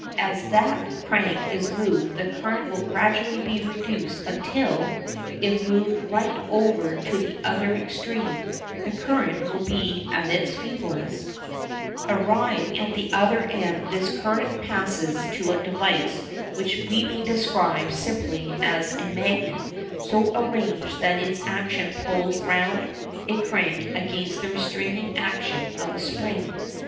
As that crank is moved the current will gradually be reduced, until, if it be moved right over to the other extreme, the current will be at its feeblest. [Illustration: FIG. 15. A Message received by Telewriter.] Arrived at the other end, this current passes to a device which we may describe simply as a magnet so arranged that its action pulls round a crank against the restraining action of a spring.